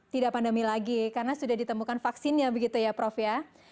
tidak pandemi lagi karena sudah ditemukan vaksinnya begitu ya prof ya